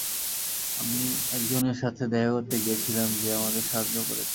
আমি একজনের সাথে দেখা করতে গিয়েছিলাম যে আমাদের সাহায্য করেছে!